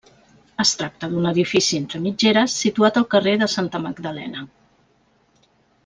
Es tracta d'un edifici entre mitgeres situat al carrer de Santa Magdalena.